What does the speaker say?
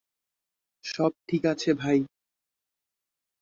সব ঠিক আছে ভাই।